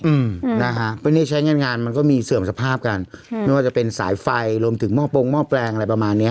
อืมนะฮะเพราะเนี้ยใช้งานงานมันก็มีเสื่อมสภาพกันอืมไม่ว่าจะเป็นสายไฟรวมถึงหม้อโปรงหม้อแปลงอะไรประมาณเนี้ย